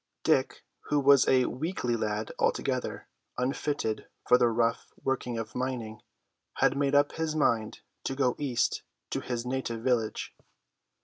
Dick, who was a weakly lad altogether unfitted for the rough work of mining, had made up his mind to go east to his native village.